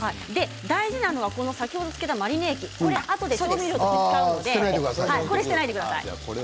大事なのは先ほどつけたマリネ液はあとから調味料として使うのでこれは捨てないでください。